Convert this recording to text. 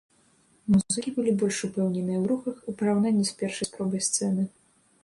Музыкі былі больш упэўненыя ў рухах у параўнанні з першай спробай сцэны.